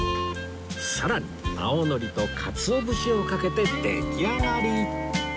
さらに青のりとかつおぶしをかけて出来上がり！